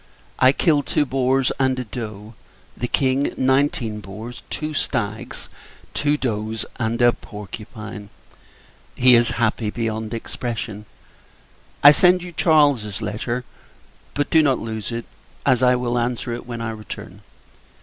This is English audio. I killed two boars, and a doe; the King, nineteen boars, two stags, two does, and a porcupine. He is happy beyond expression. I send you Charles's letter; but do not lose it, as I will answer it when I return.